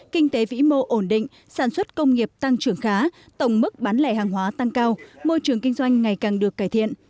kinh tế vĩ mô ổn định sản xuất công nghiệp tăng trưởng khá tổng mức bán lẻ hàng hóa tăng cao môi trường kinh doanh ngày càng được cải thiện